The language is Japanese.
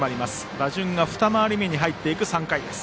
打順がふた回り目に入っていく３回です。